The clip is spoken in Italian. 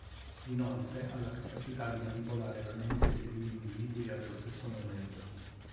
Inoltre ha la capacità di manipolare la mente di più individui allo stesso momento.